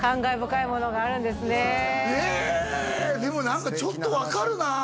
何かちょっと分かるな